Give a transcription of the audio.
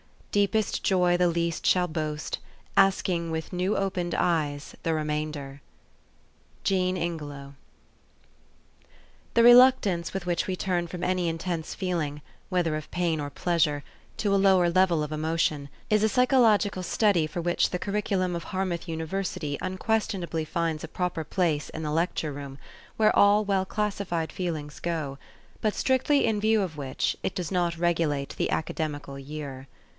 Deepest joy the least shall boast, Asking with new opened eyes The remainder." ... JEAN INGELOW. THE reluctance with which we turn from any in tense feeling, whether of pain or pleasure, to a lower level of emotion, is a psychological study for which the curriculum of Harmouth University un questionably finds a proper place in the lecture room, where all well classified feelings go, but strictly in view of which, it does not regulate the academical year.